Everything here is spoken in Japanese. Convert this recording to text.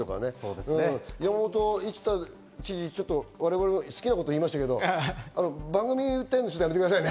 山本一太知事、我々好きなこと言いましたけど、番組を訴えるのはやめてくださいね。